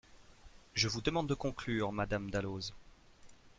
Je vous demande de conclure, madame Dalloz.